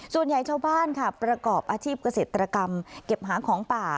ส่วนใหญ่ชาวบ้านค่ะประกอบอาชีพเกษตรกรรมเก็บหาของป่า